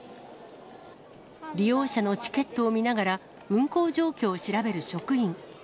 利用者のチケットを見ながら、運航状況を調べる職員。